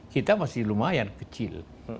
kita masih lumayan kecil